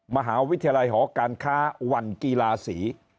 มหาวิทยาลัยหอการค้าวันกีฬาศรี